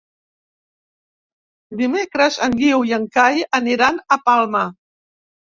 Dimecres en Guiu i en Cai aniran a Palma.